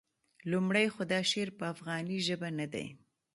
لومړی خو دا شعر په افغاني ژبه نه دی.